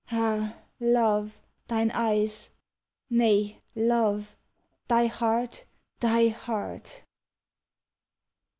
Ah, love, thine eyes! Nay, love Thy heart, thy heart!